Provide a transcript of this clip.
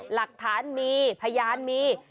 หลักฐานมีพยานมี